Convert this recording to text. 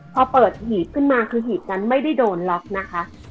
พอเปิดหีบขึ้นมาคือหีบนั้นไม่ได้โดนล็อกนะคะ